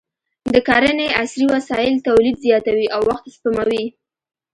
د کرنې عصري وسایل تولید زیاتوي او وخت سپموي.